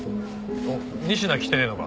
仁科来てねえのか？